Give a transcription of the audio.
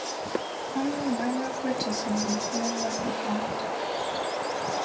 "Only minor criticism," Miller replied.